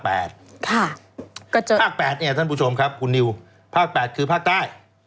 ภาค๘เนี่ยท่านผู้ชมครับคุณนิวภาค๘คือภาคใต้